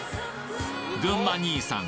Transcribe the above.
群馬兄さん